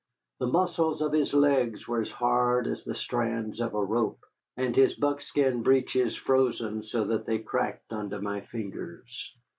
The muscles of his legs were as hard as the strands of a rope, and his buckskin breeches frozen so that they cracked under my fingers.